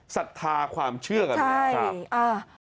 สัทธาความเชื่อกันแหละครับใช่